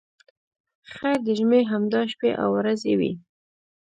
خیر د ژمي همدا شپې او ورځې وې.